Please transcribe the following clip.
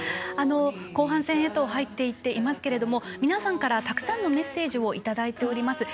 後半戦へと入っていっていますけれども皆さんからたくさんのメッセージをいただいております。